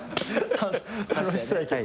楽しそうやけど。